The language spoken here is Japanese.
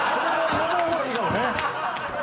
言わない方がいいかも。